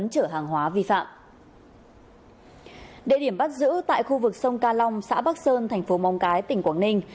địa điểm bắt giữ tại khu vực sông ca long xã bắc sơn thành phố móng cái tỉnh quảng ninh